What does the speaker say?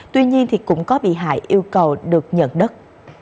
tuy nhiên thì cũng có bị hại yêu cầu được nhận đất